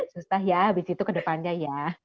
susah ya abis itu ke depannya ya